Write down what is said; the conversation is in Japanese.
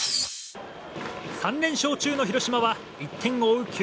３連勝中の広島は１点を追う